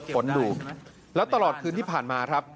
ฝนดูแล้วตลอดคืนที่ผ่านมาครับ